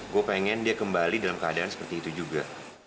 gue pengen dia kembali dalam keadaan seperti itu juga